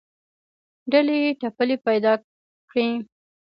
ډلې ټپلې پیدا کړې